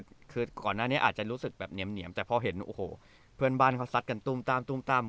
คือก่อนหน้านี้อาจจะรู้สึกแบบเหนียมแต่พอเห็นโอ้โหเพื่อนบ้านเขาซัดกันตุ้มตั้มตุ้มตั้ม